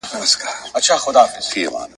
وئیل یې پرهرونه په هوا کله رغېږي `